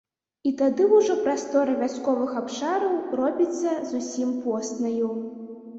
І тады ўжо прастора вясковых абшараў робіцца зусім поснаю.